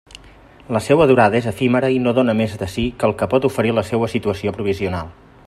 La seua durada és efímera i no dóna més de si que el que pot oferir la seua situació provisional.